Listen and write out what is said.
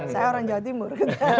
saya orang jawa timur